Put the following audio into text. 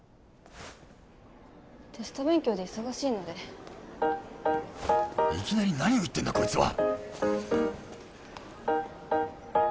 テスト勉強で忙しいのでいきなり何を言ってんだこいつは！